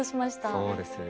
そうですよね。